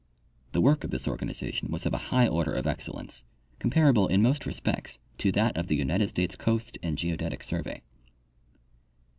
The work of this organization was of a high order of excellence, comparable in most respects to that of the United States Coast and Geodetic survey.